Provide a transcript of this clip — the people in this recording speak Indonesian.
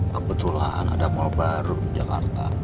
kebetulan ada mall baru di jakarta